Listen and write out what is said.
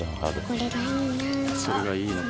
これがいいな。